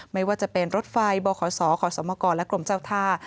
ไม่ว่าจะเป็นรถไฟบขศขอสมกรและกรมเจ้าท่า